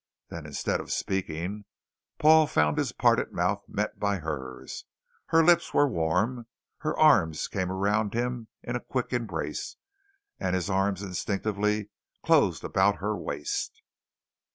Then instead of speaking, Paul found his parted mouth met by hers. Her lips were warm. Her arms came around him in a quick embrace, and his arms instinctively closed about her waist.